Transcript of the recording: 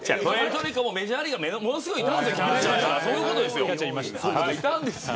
メジャーリーガーものすごいいたんですよ。